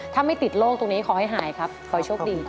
ถ้าไม่ติดโรคตรงนี้ขอให้หายครับขอให้โชคดี